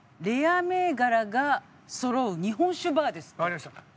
わかりました。